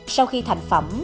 sau khi thành phẩm